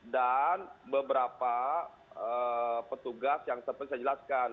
dan beberapa petugas yang seperti saya jelaskan